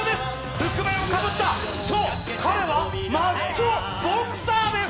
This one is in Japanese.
覆面をかぶった、そう彼はマスク・ド・ボクサーです。